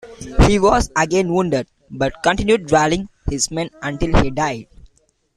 He was again wounded, but continued rallying his men until he died.